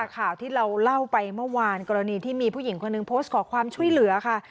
ข่าวที่เราเล่าไปเมื่อวานกรณีที่มีผู้หญิงคนหนึ่งโพสต์ขอความช่วยเหลือค่ะ